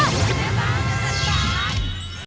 โปรดติดตาม